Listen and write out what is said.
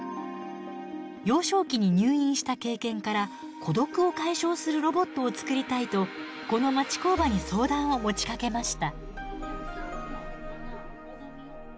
幼少期に入院した経験から孤独を解消するロボットを作りたいとこの町工場に相談を持ちかけました。